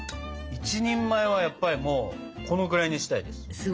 １人前はやっぱりもうこのくらいにしたいです。